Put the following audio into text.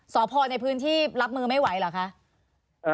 สพในพื้นที่รับมือไม่ไหวเหรอคะ